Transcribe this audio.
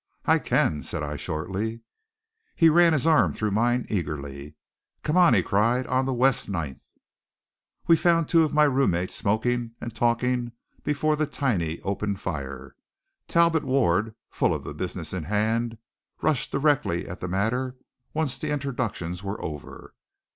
"I can," said I shortly. He ran his arm through mine eagerly. "Come on!" he cried, "on to West Ninth!" We found two of my roommates smoking and talking before the tiny open fire. Talbot Ward, full of the business in hand, rushed directly at the matter once the introductions were over.